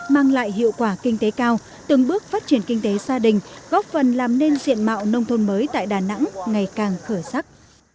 mang lại hiệu quả kinh tế cao từng bước phát triển kinh tế gia đình góp phần làm nên diện mạo nông thôn mới tại đà nẵng ngày càng khởi sắc